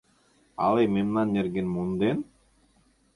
Але мемнан нерген монден?